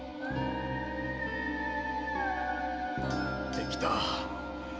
できた！